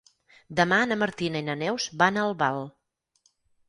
Demà na Martina i na Neus van a Albal.